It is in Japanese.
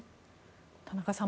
田中さん